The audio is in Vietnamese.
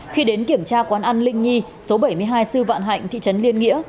khi đến kiểm tra quán ăn linh nhi số bảy mươi hai sư vạn hạnh thị trấn liên nghĩa